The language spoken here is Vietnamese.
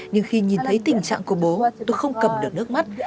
nhưng khi nhìn thấy tình trạng của bố tôi không cầm được nước mắt